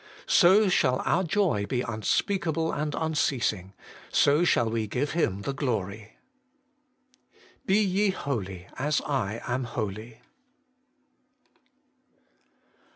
So shall our joy be unspeakable and unceasing ; so shall we give Him the glory. BE YE HOLY, AS I AM HOLY.